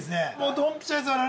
ドンピシャです、我々。